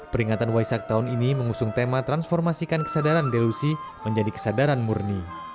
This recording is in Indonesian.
peringatan waisak tahun ini mengusung tema transformasikan kesadaran delusi menjadi kesadaran murni